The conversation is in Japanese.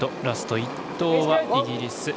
ラスト１投はイギリス。